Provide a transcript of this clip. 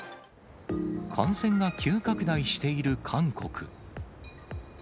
感染が急拡大している韓国。